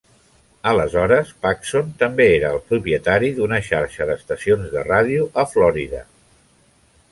Aleshores, Paxson també era el propietari d'una xarxa d'estacions de ràdio a Florida.